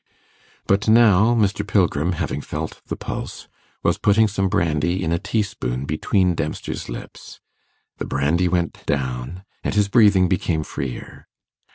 But now, Mr. Pilgrim, having felt the pulse, was putting some brandy in a tea spoon between Dempster's lips; the brandy went down, and his breathing became freer.